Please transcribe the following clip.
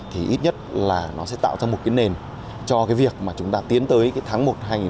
thì ít nhất là nó sẽ tạo ra một cái nền cho cái việc mà chúng ta tiến tới tháng một hai nghìn một mươi chín